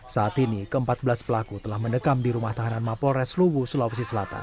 saat ini keempat belas pelaku telah mendekam di rumah tahanan mapol reslubu sulawesi selatan